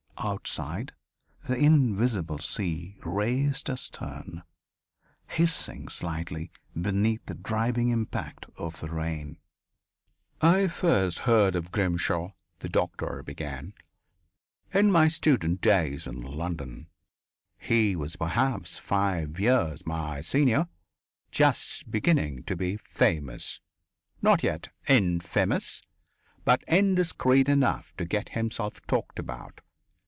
Outside, the invisible sea raced astern, hissing slightly beneath the driving impact of the rain. I first heard of Grimshaw [the doctor began] in my student days in London. He was perhaps five years my senior, just beginning to be famous, not yet infamous, but indiscreet enough to get himself talked about.